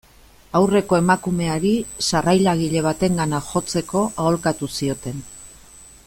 Aurreko emakumeari, sarrailagile batengana jotzeko aholkatu zioten.